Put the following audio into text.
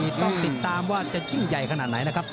ต้องติดตามว่าจะยิ่งใหญ่ขนาดไหนนะครับ